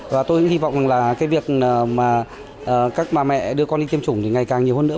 và tôi hy vọng là cái việc mà các bà mẹ đưa con đi tiêm chủng thì ngày càng nhiều hơn nữa